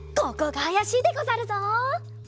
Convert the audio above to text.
ここがあやしいでござるぞ！